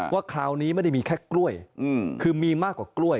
ว่าคราวนี้ไม่ได้มีแค่กล้วยคือมีมากกว่ากล้วย